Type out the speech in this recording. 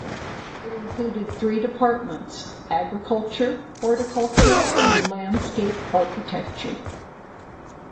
It included three departments: agriculture, horticulture and landscape architecture.